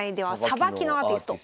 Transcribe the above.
さばきのアーティスト。